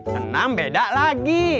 senam beda lagi